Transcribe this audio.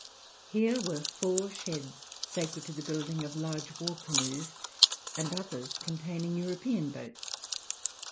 Here were four sheds sacred to the building of large war canoes, and others containing European boats.